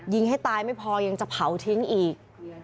ให้ตายไม่พอยังจะเผาทิ้งอีก